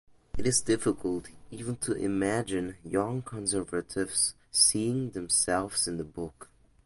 It is difficult even to imagine young conservatives seeing themselves in the book.